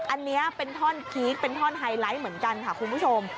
อันนี้เป็นท่อนพีคเป็นท่อนไฮไลท์เหมือนกันค่ะคุณผู้ชม